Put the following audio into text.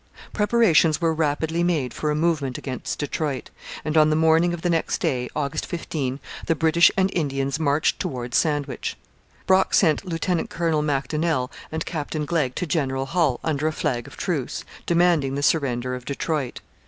Preparations were rapidly made for a movement against Detroit, and on the morning of the next day, August 15, the British and Indians marched towards Sandwich. Brock sent Lieutenant Colonel Macdonell and Captain Glegg to General Hull, under a flag of truce; demanding the surrender of Detroit.